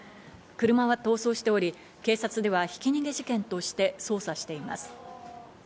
車は逃走しており、警察ではひき逃げ事件として捜査しています。